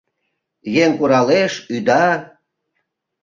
Еҥ куралеш, ӱда.